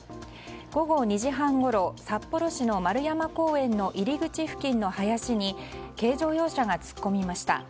午後２時半ごろ札幌市の円山公園の入り口付近の林に軽乗用車が突っ込みました。